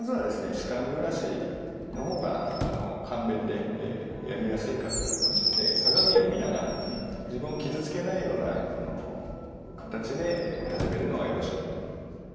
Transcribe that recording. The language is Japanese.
歯間ブラシの方が簡便でやりやすいかと思いますので鏡を見ながら自分を傷つけないような形で始めるのがよろしいかと。